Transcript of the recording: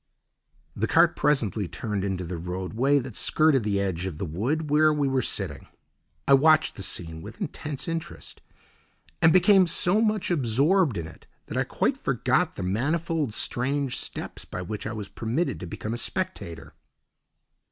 The cart presently turned into the roadway that skirted the edge of the wood where we were sitting. I watched the scene with intense interest and became so much absorbed in it that I quite forgot the manifold, strange steps by which I was permitted to become a spectator.